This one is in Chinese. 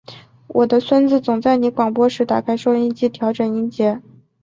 我的孙子总在你广播时打开收音机调整音节。